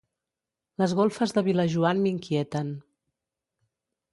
Les golfes de Vilajoan m'inquieten.